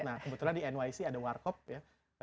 nah kebetulan di nyc ada warkop ya